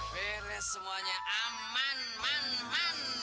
beres semuanya aman man man